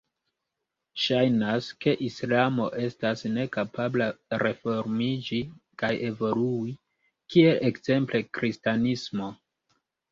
Ŝajnas, ke islamo estas nekapabla reformiĝi kaj evolui kiel ekzemple kristanismo.